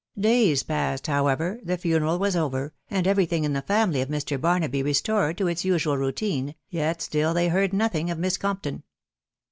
Days passed away, however, the funeral was over, and every thing in the family of Mr. Barnaby restored to its usual rou tine, yet still they heard nothing of Miss Compton.